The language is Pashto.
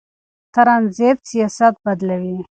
ترانزیت سیاست بدلوي.